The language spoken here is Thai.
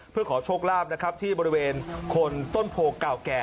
เพื่อขอโชคลาภนะครับที่บริเวณคนต้นโพเก่าแก่